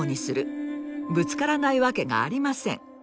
ぶつからないわけがありません。